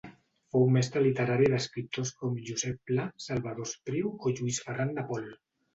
Fou mestre literari d'escriptors com Josep Pla, Salvador Espriu o Lluís Ferran de Pol.